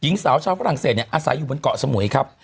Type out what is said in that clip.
หญิงสาวชาวฝรั่งเศสเนี่ยอาศัยอยู่บนเกาะสมุยครับ